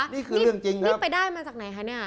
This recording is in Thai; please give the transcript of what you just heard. นี่คือเรื่องจริงเหรอนี่ไปได้มาจากไหนคะเนี่ย